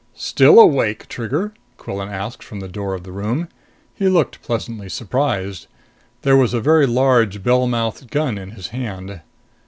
"Still awake, Trigger?" Quillan asked from the door of the room. He looked pleasantly surprised. There was a very large bellmouthed gun in his hand.